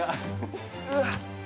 うわっ。